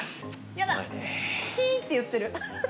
やだ「ひ」って言ってる。